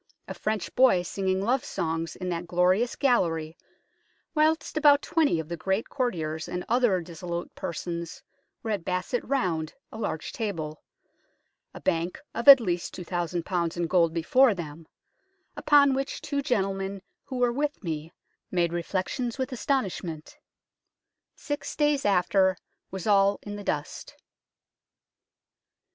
a French boy singing love songs, in that glorious gallery, whilst about twenty of the great courtiers and other dissolute persons were at basset round a large table, a bank of at least 2000 in gold before them ; upon which two gentlemen who were with me made reflections with astonish ment. Six days after was all in the dust."